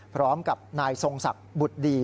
พร้อมกับนายทรงศักดิ์บุตรดี